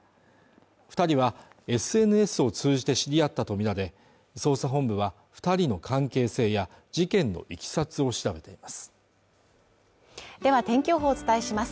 二人はＳＮＳを通じて知り合ったとみられ捜査本部は二人の関係性や事件のいきさつを調べていますでは天気予報をお伝えします